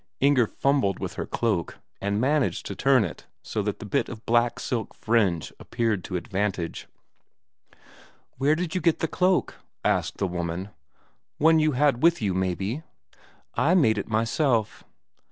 Inger fumbled with her cloak, and managed to turn it so that a bit of black silk fringe appeared to advantage. "Where did you get the cloak?" asked, the woman. "One you had with you, maybe?" "I made it myself."